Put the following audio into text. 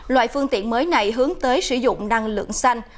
loại phương tiện mới này hướng tới sử dụng năng lượng xanh